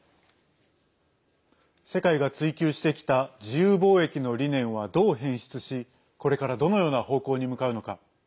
世界が追求してきた自由貿易の理念は、どう変質しこれからどのような方向に向かうのか。